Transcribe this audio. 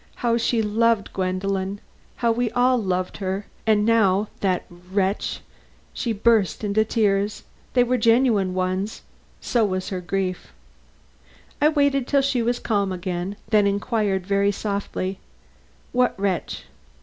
How she loved Gwendolen! How we all loved her! And now, that wretch " She burst into tears. They were genuine ones; so was her grief. I waited till she was calm again, then I inquired very softly: "What wretch?"